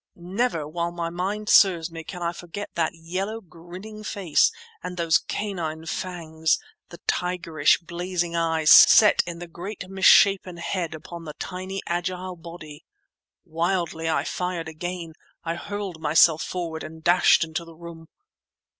Never while my mind serves me can I forget that yellow, grinning face and those canine fangs—the tigerish, blazing eyes—set in the great, misshapen head upon the tiny, agile body. Wildly, I fired again. I hurled myself forward and dashed into the room.